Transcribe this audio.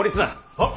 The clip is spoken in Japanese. はっ。